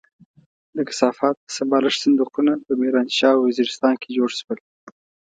د کثافاتو د سمبالښت خندقونه په ميرانشاه او وزيرستان کې جوړ شول.